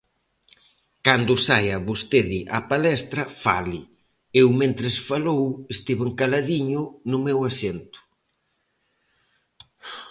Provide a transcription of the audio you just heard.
Cando saia vostede á palestra fale, eu mentres falou estiven caladiño no meu asento.